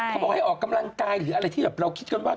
เขาบอกให้ออกกำลังกายหรืออะไรที่แบบเราคิดกันว่า